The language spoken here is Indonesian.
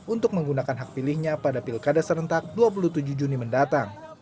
untuk menggunakan hak pilihnya pada pilkada serentak dua puluh tujuh juni mendatang